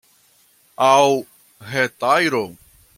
Aŭ hetajro!